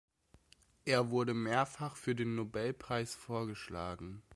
Er wurde mehrfach für den Nobelpreis vorgeschlagen.